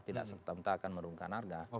tidak sebetulnya akan merungkang harga